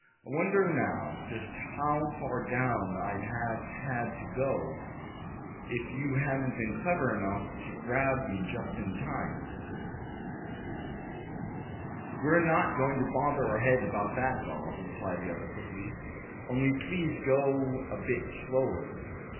"I wonder, now, just how far down I'd have had to go, if you hadn't been clever enough to grab me just in time?" "We're not going to bother our heads about that, Bob," replied the other, quickly; "only please go a bit slower.